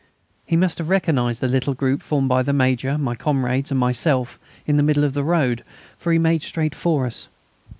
He must have recognised the little group formed by the Major, my comrades, and myself in the middle of the road, for he made straight for us.